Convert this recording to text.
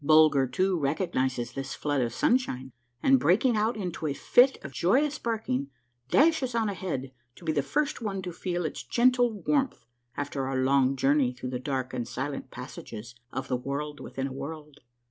Bulger, too, recognizes this flood of sunshine, and breaking out into a fit of joyous barking, dashes on ahead, to be the first one to feel its gentle warmth after our long journey through the dark and silent passages of the World within a World.